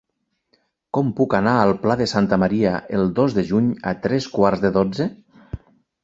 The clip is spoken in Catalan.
Com puc anar al Pla de Santa Maria el dos de juny a tres quarts de dotze?